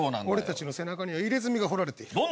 俺たちの背中には入れ墨が彫られている。